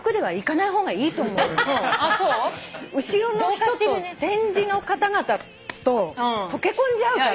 後ろの展示の方々と溶け込んじゃうから。